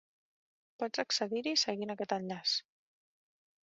Pots accedir-hi seguint aquest enllaç.